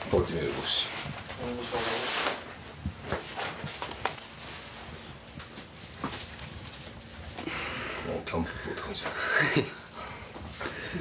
帽子キャンプって感じだね